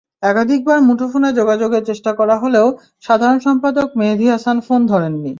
একাধিকবার মুঠোফোনে যোগাযোগের চেষ্টা করা হলেও সাধারণ সম্পাদক মেহেদি হাসান ফোন ধরেননি।